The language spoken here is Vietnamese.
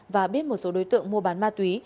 và biết một số đối tượng mua bán ma túy